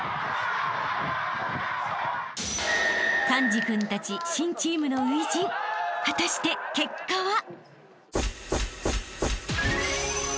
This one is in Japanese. ［寛治君たち新チームの初陣果たして結果は？］